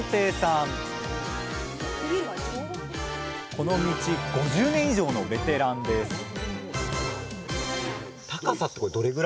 この道５０年以上のベテランですそう。